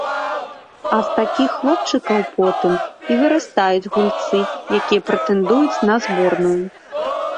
А з такіх хлопчыкаў потым і вырастаюць гульцы, якія прэтэндуюць на зборную.